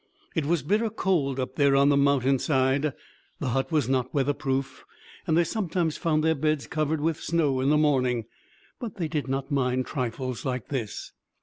It was bitter cold up there on the mountainside. The hut was not weather proof, and they sometimes found their beds covered with snow in the morning; but they did not mind trifles like this.